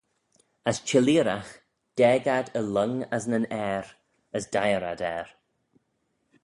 As chelleeragh daag ad y lhong as nyn ayr, as deiyr ad er.